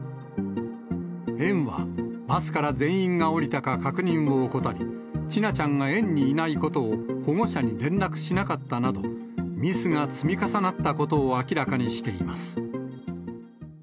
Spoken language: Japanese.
園は、バスから全員が降りたか確認を怠り、千奈ちゃんが園にいないことを保護者に連絡しなかったなど、ミスが積み重なったことを明らかにしています。